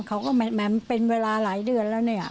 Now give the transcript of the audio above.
เขาก็แมมเป็นเวลาหลายเดือนแล้วเนี่ย